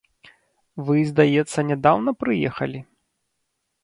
Вы, здаецца, нядаўна прыехалі?